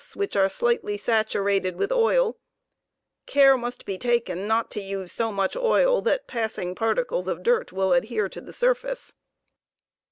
which are ° slightly saturated with oil; carp must be taken not to use so ranch oil that passing particles of dirt will adhere to the surface.